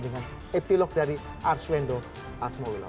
dengan epilog dari ars wendo art mowilow